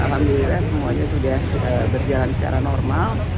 alhamdulillah semuanya sudah berjalan secara normal